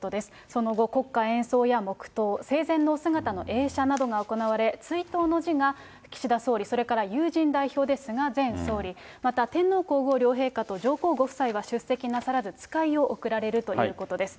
その後、国歌演奏や黙とう、生前のお姿の映写などが行われ、追悼の辞が、岸田総理、それから友人代表で菅前総理、また天皇皇后両陛下と上皇ご夫妻は出席なさらず、使いを送られるということです。